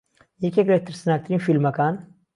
یەکێک لە ترسناکترین فیلمەکان